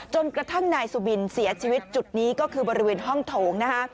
จนกระทั่งนายสุบินเสียชีวิตจุดนี้ก็คือบริเวณห้องโถงนะคะ